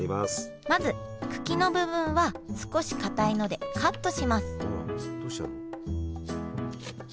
まず茎の部分は少しかたいのでカットします